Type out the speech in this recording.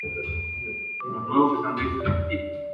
los nuevos estaban tristes al principio.